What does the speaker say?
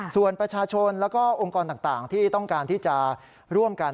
ส่วนประชาชนแล้วก็องค์กรต่างที่ต้องการที่จะร่วมกัน